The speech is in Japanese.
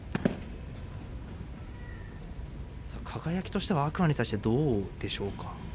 輝としては、天空海にどうでしょうか。